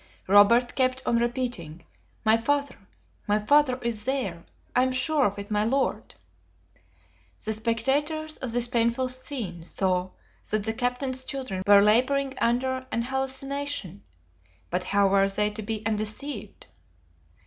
Robert kept on repeating, "My father! my father is there! I am sure of it, my Lord!" The spectators of this painful scene saw that the captain's children were laboring under an hallucination. But how were they to be undeceived?